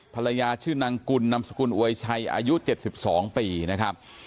ชื่อนางกุลนามสกุลอวยชัยอายุ๗๒ปีนะครับ